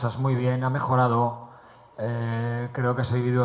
untuk melihat pemain anda